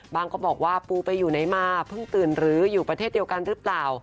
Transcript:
ก็บอกว่าปูไปอยู่ไหนมาเพิ่งตื่นหรืออยู่ประเทศเดียวกันหรือเปล่า